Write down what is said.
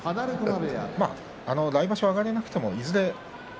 まあ、来場所は上がれなくてもいずれ。